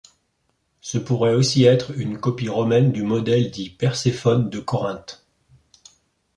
Ce pourrait aussi être une copie romaine du modèle dit Perséphone de Corinthe.